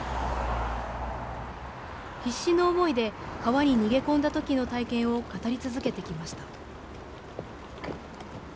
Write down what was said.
必死の思いで川に逃げ込んだときの体験を語り続けてきました。